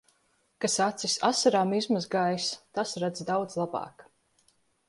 Kas acis asarām izmazgājis, tas redz daudz labāk.